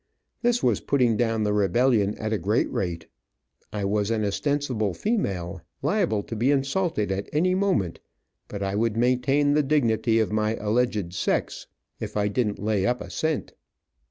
This was putting down the rebellion at a great rate. I was an ostensible female, liable to be insulted at any moment, but I would maintain the dignity of my alleged sex if I didn't lay up a cent.